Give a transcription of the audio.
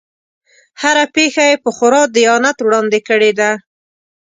هره پېښه یې په خورا دیانت وړاندې کړې ده.